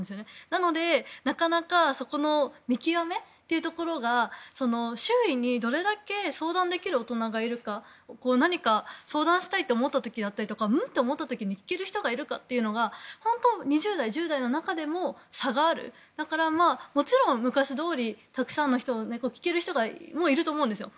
なので、なかなかそこの見極めというところが周囲にどれだけ相談できる大人がいるか何か相談したいと思った時やん？と思った時聞ける人がいるかというのが２０代、１０代の人にも差がある、だから、もちろん昔どおりたくさんの人に聞ける人もいると思うんですよ。